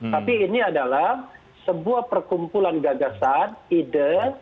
tapi ini adalah sebuah perkumpulan gagasan ide